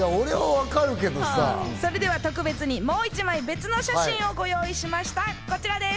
それでは特別にもう一枚、別の写真をご用意しました、こちらです。